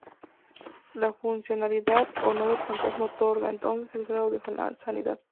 La funcionalidad o no del fantasma otorga, entonces, el grado de sanidad.